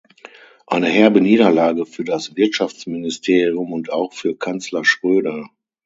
Eine herbe Niederlage für das Wirtschaftsministerium und auch für Kanzler Schröder.